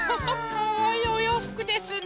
かわいいおようふくですね。